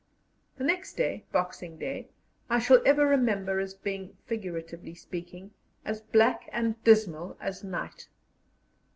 The next day, Boxing Day, I shall ever remember as being, figuratively speaking, as black and dismal as night.